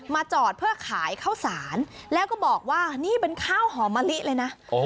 จอดเพื่อขายข้าวสารแล้วก็บอกว่านี่เป็นข้าวหอมมะลิเลยนะ